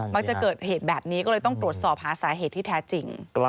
จะเกิดเหตุแบบนี้ก็เลยต้องตรวจสอบหาสาเหตุที่แท้จริง